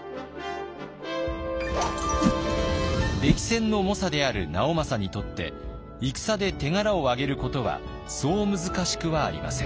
歴戦の猛者である直政にとって戦で手柄をあげることはそう難しくはありません。